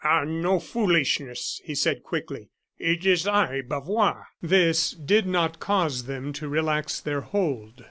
"Ah, no foolishness," he said quickly. "It is I, Bavois." This did not cause them to relax their hold.